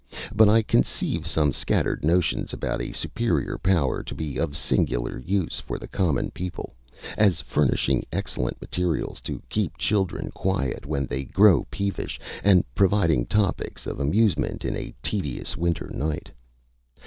But I conceive some scattered notions about a superior power to be of singular use for the common people, as furnishing excellent materials to keep children quiet when they grow peevish, and providing topics of amusement in a tedious winter night.